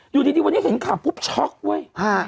อยู่ดีวันนี้เห็นข่าวปุ๊บช็อกเว้ย